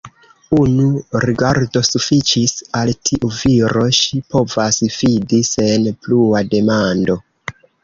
Unu rigardo sufiĉis: al tiu viro ŝi povas fidi sen plua demando.